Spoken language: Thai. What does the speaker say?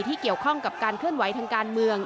ที่เกี่ยวข้องกับการเคลื่อนไหวทางการเมือง